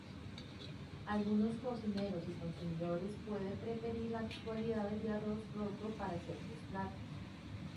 Algunos cocineros y consumidores puede preferir las cualidades del arroz roto para ciertos platos.